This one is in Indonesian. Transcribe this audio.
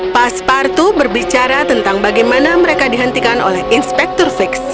pas partu berbicara tentang bagaimana mereka dihentikan oleh inspektur fix